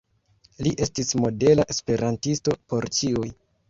Li estis modela esperantisto por ĉiuj.